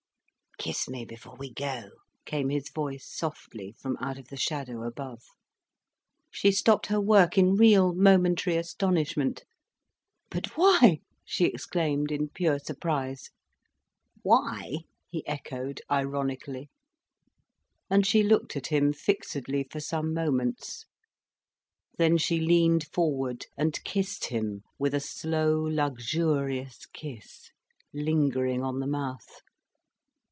"Kiss me before we go," came his voice softly from out of the shadow above. She stopped her work in real, momentary astonishment. "But why?" she exclaimed, in pure surprise. "Why?" he echoed, ironically. And she looked at him fixedly for some moments. Then she leaned forward and kissed him, with a slow, luxurious kiss, lingering on the mouth.